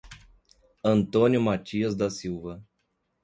Antônio Mathias da Silva